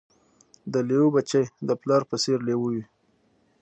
د لېوه بچی د پلار په څېر لېوه وي